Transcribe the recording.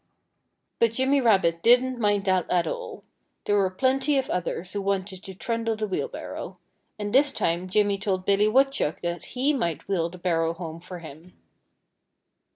But Jimmy Rabbit didn't mind that at all. There were plenty of others who wanted to trundle the wheelbarrow. And this time Jimmy told Billy Woodchuck that he might wheel the barrow home for him.